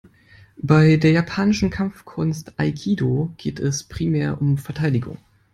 Bei der japanischen Kampfkunst Aikido geht es primär um Verteidigung.